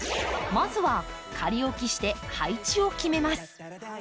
まずは仮置きして配置を決めます。